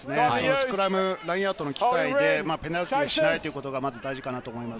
スクラム、ラインアウトの機会でペナルティーをしないことが大事だと思います。